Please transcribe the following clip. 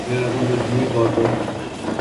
یہ رقم مجموعی طور پر